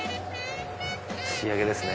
仕上げですね？